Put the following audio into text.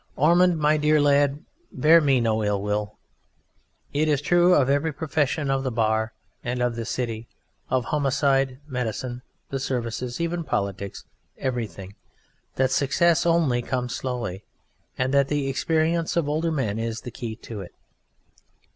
Ormond, my dear lad, bear me no ill will. It is true of every profession, of the Bar and of the City, of homicide, medicine, the Services, even Politics everything, that success only comes slowly, and that the experience of older men is the key to it.